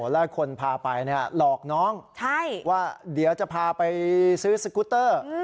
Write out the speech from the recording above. และคนพาไปหลอกน้องว่าเดี๋ยวจะพาไปซื้อสกุตเตอร์